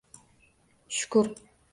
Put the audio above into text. Shukur.